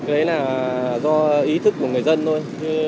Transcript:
đấy là do ý thức của người dân thôi